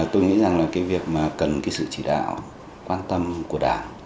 tôi nghĩ rằng là cái việc mà cần cái sự chỉ đạo quan tâm của đảng